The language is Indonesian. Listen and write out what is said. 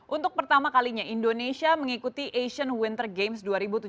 untuk pertama kalinya indonesia mengikuti asian winter games dua ribu tujuh belas